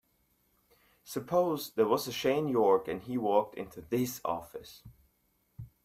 Suppose there was a Shane York and he walked into this office.